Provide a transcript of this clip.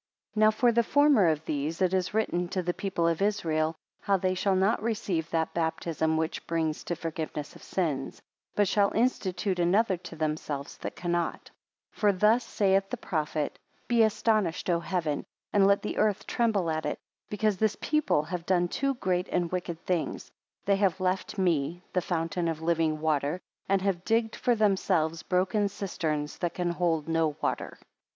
2 Now for the former of these, it is written to the people of Israel how they shall not receive that baptism which brings to forgiveness of sins; but shall institute another to themselves that cannot. 3 For thus saith the prophet: Be astonished, O Heaven! and let the earth tremble at it, because this people have done two great and wicked things: they have left me, the fountain of living water, and have digged for themselves broken cisterns, that can hold no water.